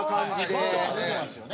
まあまあ出てますよね。